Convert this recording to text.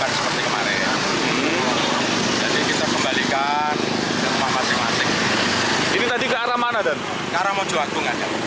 ke arah mojoakung